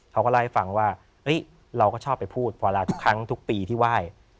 เขาก็เล่าให้ฟังว่าเราก็ชอบไปพูดพอลาทุกครั้งทุกปีที่ไหว้